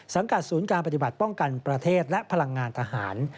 กัดศูนย์การปฏิบัติป้องกันประเทศและพลังงานทหาร